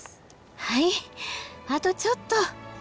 はいあとちょっと。